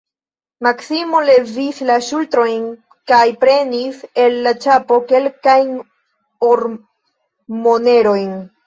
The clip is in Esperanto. Maksimo levis la ŝultrojn kaj prenis el la ĉapo kelkajn ormonerojn.